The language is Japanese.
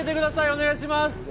お願いします。